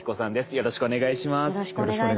よろしくお願いします。